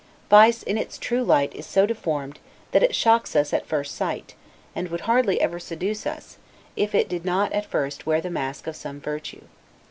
Vice, in its true light, is so deformed, that it shocks us at first sight, and would hardly ever seduce us, if it did not, at first, wear the mask of some virtue.